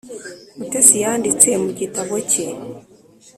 mutesi yanditse mu gitabo cye,